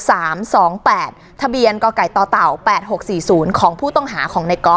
สลับผัดเปลี่ยนกันงมค้นหาต่อเนื่อง๑๐ชั่วโมงด้วยกัน